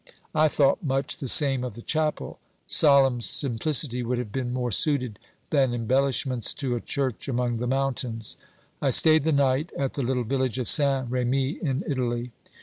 I thought much the same of the chapel ; solemn simplicity would have been more suited than embellishments to a church among the mountains. I stayed the night at the little village of Saint Remi in Italy.